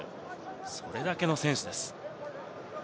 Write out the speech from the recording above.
それだけの選手です。